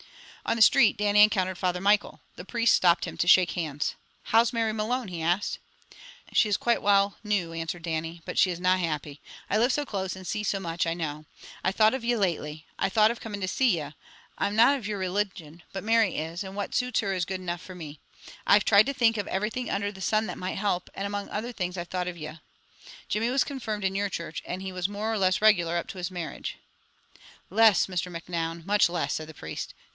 On the street, Dannie encountered Father Michael. The priest stopped him to shake hands. "How's Mary Malone?" he asked. "She is quite well noo," answered Dannie, "but she is na happy. I live so close, and see so much, I know. I've thought of ye lately. I have thought of coming to see ye. I'm na of your religion, but Mary is, and what suits her is guid enough for me. I've tried to think of everything under the sun that might help, and among other things I've thought of ye. Jimmy was confirmed in your church, and he was more or less regular up to his marriage." "Less, Mr. Macnoun, much less!" said the priest.